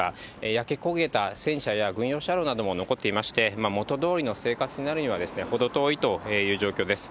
焼け焦げた戦車や軍用車両なども残っていまして、元どおりの生活になるには、程遠いという状況です。